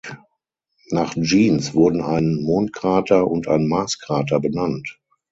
Nach Jeans wurden ein Mondkrater und ein Marskrater benannt.